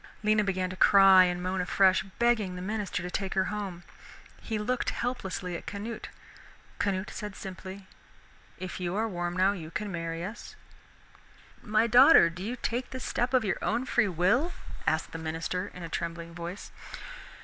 Lena began to cry and moan afresh, begging the minister to take her home. He looked helplessly at Canute. Canute said simply, "If you are warm now, you can marry us." "My daughter, do you take this step of your own free will?" asked the minister in a trembling voice.